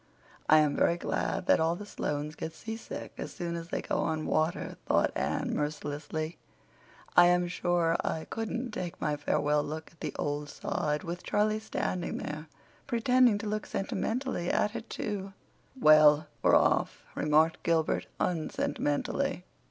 "I am very glad that all the Sloanes get seasick as soon as they go on water," thought Anne mercilessly. "I am sure I couldn't take my farewell look at the 'ould sod' with Charlie standing there pretending to look sentimentally at it, too." "Well, we're off," remarked Gilbert unsentimentally.